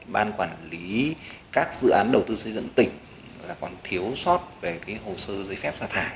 ban quản lý các dự án đầu tư xây dựng tỉnh còn thiếu sót về hồ sơ giấy phép xả thải